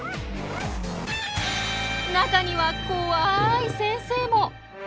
中にはこわい先生も。